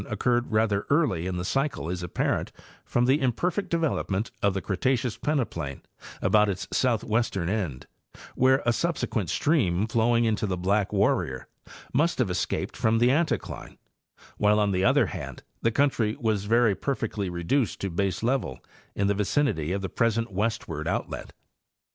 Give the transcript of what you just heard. occurred rather early in the cycle is apparent from the imperfect development of the Cretaceous peneplain about its southwestern end, tvhere a subsequent stream flowing into the Black Warrior must have escaped from the anticline, while, on the other hand, the country was very per fectly reduced to baselevel in the vicinity of the present westward outlet.